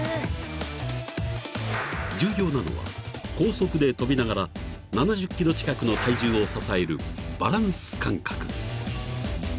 ［重要なのは高速で飛びながら７０ｋｇ近くの体重を支えるバランス感覚］